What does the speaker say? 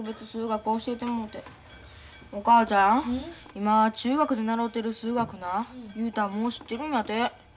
今中学で習うてる数学な雄太はもう知ってるんやて。